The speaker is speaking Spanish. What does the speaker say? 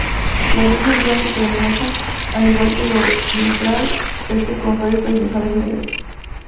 La ceja es blanco-cremosa, al igual que lo ventral, este con rayas transversales negras.